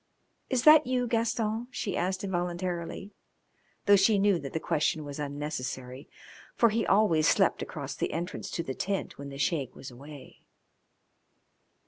"Is that you, Gaston?" she asked involuntarily, though she knew that the question was unnecessary, for he always slept across the entrance to the tent when the Sheik was away.